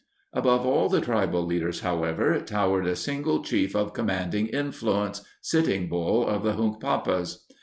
Above all the tribal leaders, however, towered a single chief of commanding influence— Sitting Bull of the Hunkpapas.